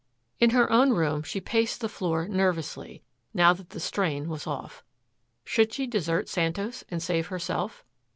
In her own room she paced the floor nervously, now that the strain was off. Should she desert Santos and save herself?